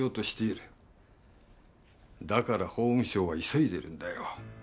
だから法務省は急いでるんだよ。